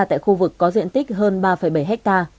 tại khu vực có diện tích hơn ba bảy ha